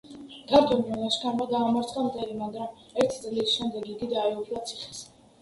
ქართველთა ლაშქარმა დაამარცხა მტერი, მაგრამ ერთი წლის შემდეგ იგი დაეუფლა ციხეს.